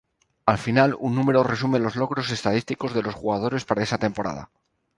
Al final, un número resume los logros estadísticos de los jugadores para esa temporada.